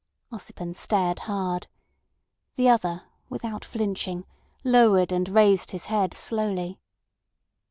Ossipon stared hard. The other, without flinching, lowered and raised his head slowly.